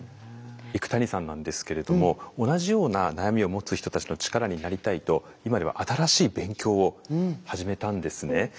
幾谷さんなんですけれども同じような悩みを持つ人たちの力になりたいと今では新しい勉強を始めたんですね。